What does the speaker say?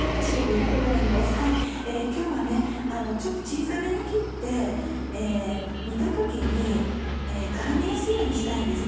今日はちょっと小さめに切って煮た時に絡みやすいようにしたいんです。